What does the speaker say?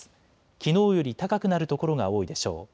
きのうより高くなる所が多いでしょう。